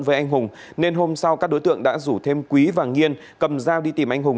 với anh hùng nên hôm sau các đối tượng đã rủ thêm quý và nhiên cầm dao đi tìm anh hùng